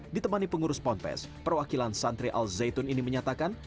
ditemani pengurus ponpes perwakilan santri al zaitun ini menyatakan